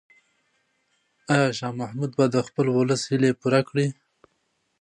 آیا شاه محمود به د خپل ولس هیلې پوره کړي؟